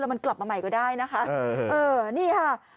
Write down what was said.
แล้วมันกลับมาใหม่ก็ได้นะฮะเออนี่ฮะ